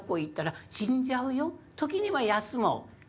時には休もう。